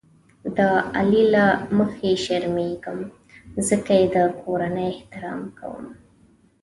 د علي له مخې شرمېږم ځکه یې د کورنۍ احترام کوم.